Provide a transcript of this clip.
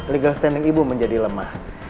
legal standing ibu menjadi lemah